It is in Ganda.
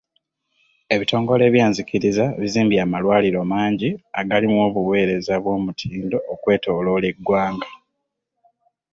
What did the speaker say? Ebitongole by'enzikiriza bizimbye amalwaliro mangi agalimu obuweereza obw'omutindo okwetooloola eggwanga.